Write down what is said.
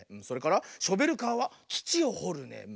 それからショベルカーはつちをほるね。